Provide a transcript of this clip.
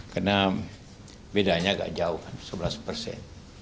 karena bedanya agak jauh sebelas persen